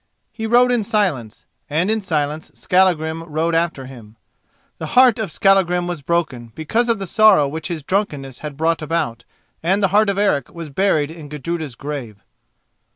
He rode in silence, and in silence Skallagrim rode after him. The heart of Skallagrim was broken because of the sorrow which his drunkenness had brought about, and the heart of Eric was buried in Gudruda's grave.